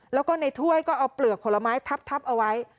แล้วก็ในถ้วยก็เอาเปลือกผลไม้ทับเอาไว้